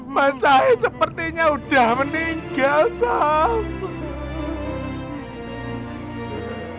masahir sepertinya udah meninggal samp